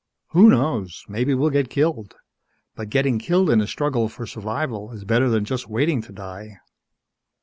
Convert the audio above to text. "Who knows? Maybe we'll get killed. But getting killed in a struggle for survival is better than just waiting to die."